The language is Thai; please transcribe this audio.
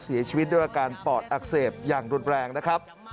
เสียชีวิตด้วยอาการปอดอักเสบอย่างรุนแรงนะครับ